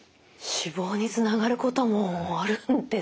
死亡につながることもあるんですね。